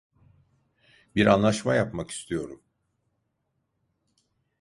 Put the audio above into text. Bir anlaşma yapmak istiyorum.